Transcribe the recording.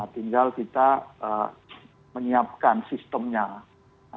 tinggal kita menyiapkan sistemnya